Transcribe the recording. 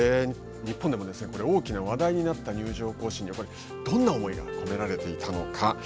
日本でも大きな話題になった入場行進にどんな思いが込められていたのか。